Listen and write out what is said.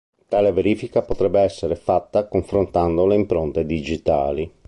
Tale verifica potrebbe essere fatto confrontando le impronte digitali.